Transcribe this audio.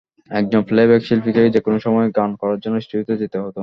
একজন প্লে-ব্যাক শিল্পীকে যেকোনো সময়ই গান করার জন্য স্টুডিওতে যেতে হতো।